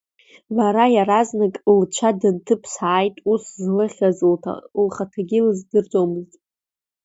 Лара иаразнак лцәа дынҭыԥсааит, ус злыхьыз лхаҭагьы илзымдырӡо.